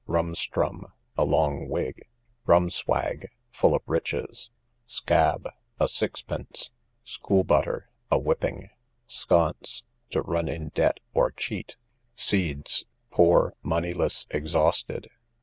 Rum strum, a long wig. Rum swag, full of riches. Scab, a sixpence. School butter, a whipping. Sconce, to run in debt, to cheat. Seeds, poor, moneyless, exhausted.